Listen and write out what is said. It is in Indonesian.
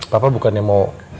papa bukannya mau